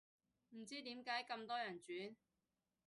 唔知點解咁多人轉